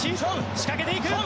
仕掛けていく！